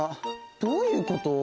どういうこと？